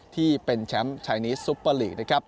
ที่เป็นแชมป์ชายนิสซุปเปอร์ลีก